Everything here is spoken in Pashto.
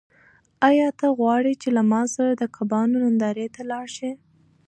آیا ته غواړې چې له ما سره د کبانو نندارې ته لاړ شې؟